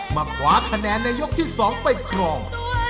มาคว้าคะแนนในยกที่๒ไปครอง